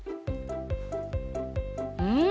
うん！